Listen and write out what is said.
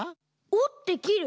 おってきる？